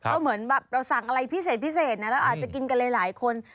ก็เหมือนแบบเราสั่งอะไรพิเศษพิเศษนะเราอาจจะกินกันหลายคน